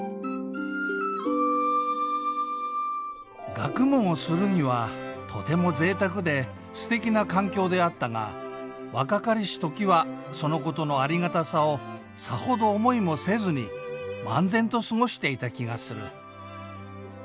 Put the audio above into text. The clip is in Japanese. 「学問をするにはとてもぜいたくですてきな環境であったが若かりしときはそのことの有難さをさほど思いもせずに漫然と過ごしていた気がする。